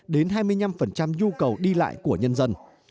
đến hai mươi năm nhu cầu đi lại của nhân dân